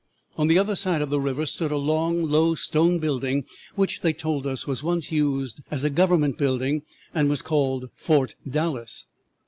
On the other side of the river stood a long, low stone building, which, they told us, was once used as a government building, and was called Fort Dallas.